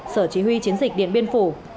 sở chí huy chiến dịch điện biên phủ